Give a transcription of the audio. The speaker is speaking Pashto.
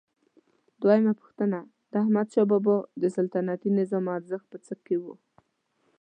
دویمه پوښتنه: د احمدشاه بابا د سلطنتي نظام ارزښت په څه کې و؟